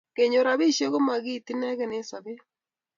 Kenyor rapisyek ko ma kiit inekey eng' sopet.